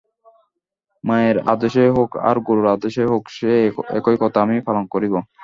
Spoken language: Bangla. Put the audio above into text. মায়ের আদেশই হউক আর গুরুর আদেশই হউক, সে একই কথা–আমি পালন করিব।